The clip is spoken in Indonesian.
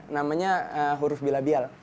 namanya huruf bilabial